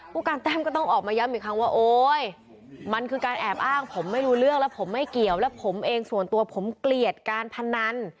ผู้การแต้มก็ต้องออกมาย้ำอีกครั้งว่าโอ๊ยมันคือการแอบอ้างผมไม่รู้เรื่องแล้วผมไม่เกี่ยวแล้วผมเองส่วนตัวผมเกลียดการพนัน